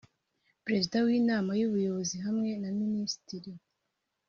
Perezida w Inama y Ubuyobozi hamwe na Minisitiri